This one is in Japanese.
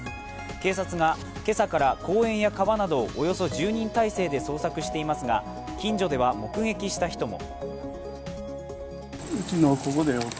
警察が今朝から公園や川などをおよそ１０人態勢で捜索していますが近所では目撃した人も。